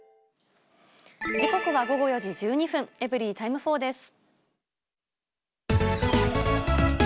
時刻は午後４時１２分、エブリィタイム４です。